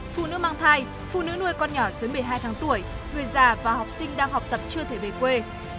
phụ nữ mang thai phụ nữ nuôi con nhỏ dưới một mươi hai tháng tuổi người già và học sinh đang học tập chưa thể về quê